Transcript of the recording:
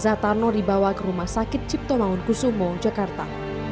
jenazah tarno dibawa ke rumah sakit ciptolaon kusumo jakarta